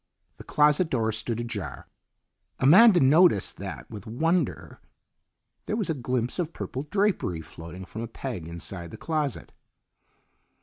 The closet door stood ajar. Amanda noticed that with wonder. There was a glimpse of purple drapery floating from a peg inside the closet.